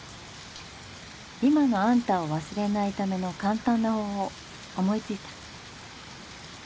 今のアンタを忘れないための簡単な方法思いついた。